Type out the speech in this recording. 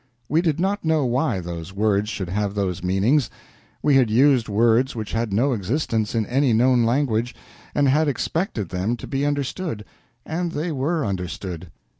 We did not know why those words should have those meanings; we had used words which had no existence in any known language, and had expected them to be understood, and they were understood.